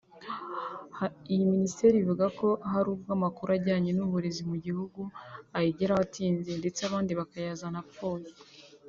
Iyi Minisiteri ivuga ko hari ubwo amakuru ajyanye n’uburezi mu gihugu ayigeraho atinze ndetse abandi bakayazana apfuye